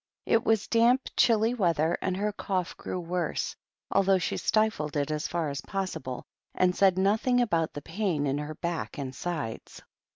It was damp, chilly weather, and her cough grew worse, although she stifled it as far as possible, and said nothing about the pains in her back and sides.